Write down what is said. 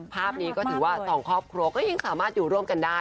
ภาพนี้ก็ถือว่าสองครอบครัวก็ยังสามารถอยู่ร่วมกันได้